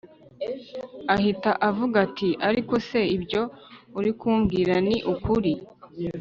ahita avuga ati”ariko se ibyo urikubwira ni ukuri